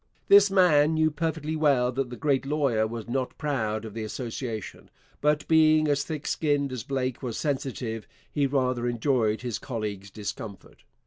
This man knew perfectly well that the great lawyer was not proud of the association, but being as thick skinned as Blake was sensitive, he rather enjoyed his colleague's discomfort.